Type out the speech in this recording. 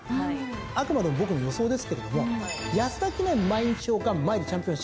あくまでも僕の予想ですけれども安田記念毎日王冠マイルチャンピオンシップ。